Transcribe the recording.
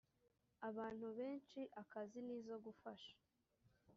abantu benshi akazi n izo gufasha